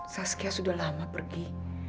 saskia sudah lama pergi